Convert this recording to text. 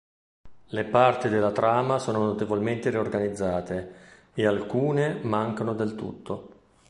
Le parti della trama sono notevolmente riorganizzate, e alcune mancano del tutto.